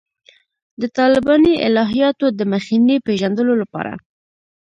د طالباني الهیاتو د مخینې پېژندلو لپاره.